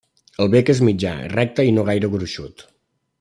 El bec és mitjà, recte i no gaire gruixut.